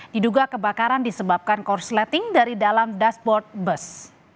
diduga kebakaran disebabkan korsleting dari dalam dashboard bus